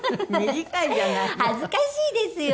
恥ずかしいですよ。